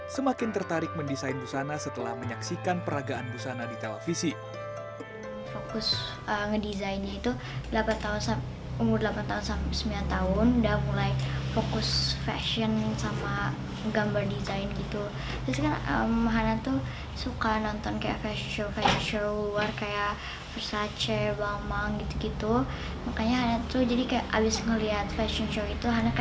semakin tertarik mendesain busana setelah menyaksikan peragaan busana di televisi